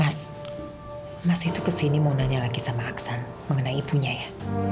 mas mas itu kesini mau nanya lagi sama aksan mengenai ibunya ya